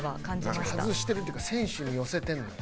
ハズしてるっていうか選手に寄せてるのよ。